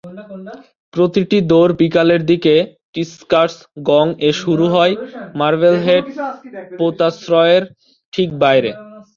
প্রতিটি দৌড় বিকালের দিকে "টিঙ্কারস গং" এ শুরু হয়, মার্বেলহেড পোতাশ্রয়ের ঠিক বাইরে।